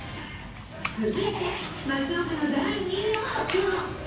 続いて松岡の第２位を発表。